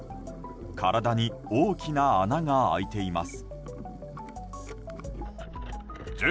体に大きな穴が開いています。